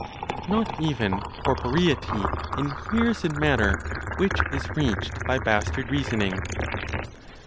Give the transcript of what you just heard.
NOT EVEN CORPOREITY INHERES IN MATTER WHICH IS REACHED BY BASTARD REASONING.